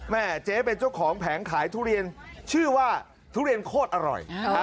เจ๊เป็นเจ้าของแผงขายทุเรียนชื่อว่าทุเรียนโคตรอร่อย